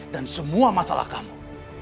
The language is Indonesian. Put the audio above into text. dan semua masalah kamu